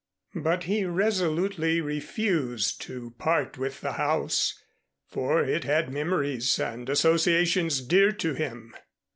But he resolutely refused to part with the house, for it had memories and associations dear to him.